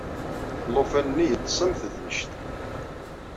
Alufan-nni yeḍḍes am tednect.